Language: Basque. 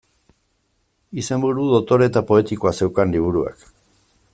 Izenburu dotore eta poetikoa zeukan liburuak.